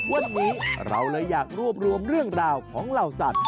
วันนี้เราเลยอยากรวบรวมเรื่องราวของเหล่าสัตว